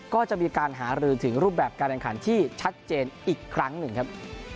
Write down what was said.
ก็จะมีการหารือถึงรูปแบบการแข่งขันที่ชัดเจนอีกครั้งหนึ่งครับ